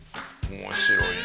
面白いね。